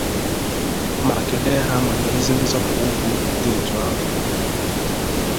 ma kelee ha maka ezi nzọpụụkwụ dị etu ahụ.